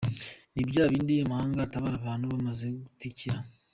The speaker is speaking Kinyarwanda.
Ni bya bindi amahanga atabara abantu bamaze gutikira.